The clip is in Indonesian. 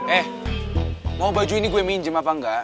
eh mau baju ini gue minjem apa enggak